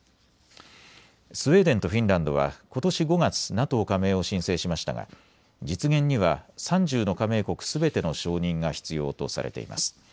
スウェーデンとフィンランドはことし５月、ＮＡＴＯ加盟を申請しましたが実現には３０の加盟国すべての承認が必要とされています。